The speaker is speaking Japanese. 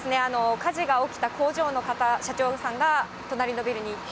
火事が起きた工場の方、社長さんが、隣のビルに行って、